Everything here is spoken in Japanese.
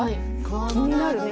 気になるね